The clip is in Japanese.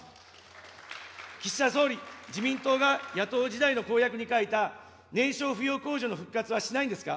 岸田総理、自民党が野党時代の公約に書いた、年少扶養控除の復活はしないんですか。